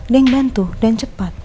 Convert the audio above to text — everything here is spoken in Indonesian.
dia yang bantu dan cepat